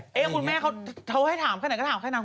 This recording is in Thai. คุณแม่เขาให้ถามแค่ไหนก็ถามแค่นั้น